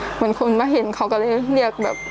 เหมือนคนมาเห็นเขาก็เลยเรียกแบบ